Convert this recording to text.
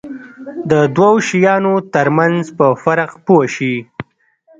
د دوو شیانو ترمنځ په فرق پوه شي.